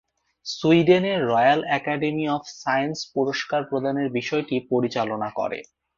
সুইডেনের Royal Academy of Science পুরস্কার প্রদানের বিষয়টি পরিচালনা করে।